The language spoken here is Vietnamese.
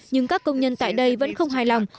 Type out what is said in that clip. nhưng các công nhân tại đây vẫn không hài lòng